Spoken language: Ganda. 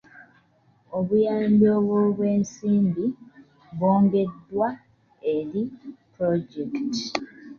Obuyambi obw'ebyensimbi bwongeddwa eri pulojekiti.